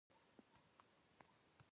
دا ځواکونه په ګډه د تولید سبب کیږي.